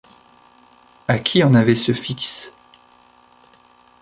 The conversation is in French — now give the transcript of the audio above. À qui en avait ce Fix?